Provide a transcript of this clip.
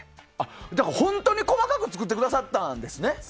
本当に細かく作ってくださったんですね。